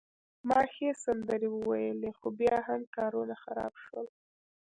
ما ښې سندرې وویلي، خو بیا هم کارونه خراب شول.